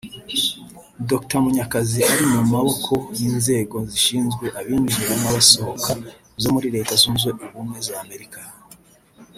Dr Munyakazi ari mu maboko y’inzego zishinzwe abinjira n’abasohoka zo muri Leta zunze ubumwe z’Amerika